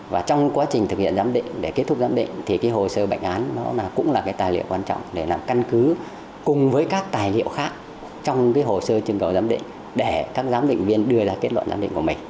và trong quá trình thực hiện giám định để kết thúc giám định thì cái hồ sơ bệnh án nó cũng là cái tài liệu quan trọng để làm căn cứ cùng với các tài liệu khác trong cái hồ sơ trưng cầu giám định để các giám định viên đưa ra kết luận giám định của mình